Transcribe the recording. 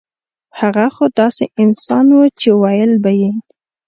هغه خو داسې انسان وو چې وييل به يې